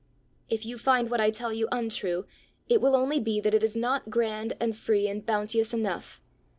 "If you find what I tell you untrue, it will only be that it is not grand and free and bounteous enough.